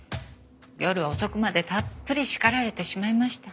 夜遅くまでたっぷり叱られてしまいました。